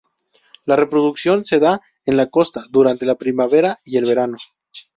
La reproducción se da en la costa durante la primavera y el verano.